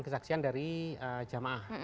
kesaksian dari jamaah